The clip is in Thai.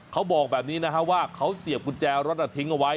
เขาบอกแบบนี้นะฮะว่าเขาเสียบกุญแจรถทิ้งเอาไว้